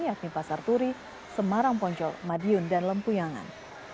yakni pasar turi semarang poncol madiun dan lempuyangan